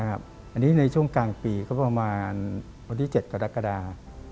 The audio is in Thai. อันนี้ในช่วงกลางปีก็ประมาณวันที่๗กรกฎา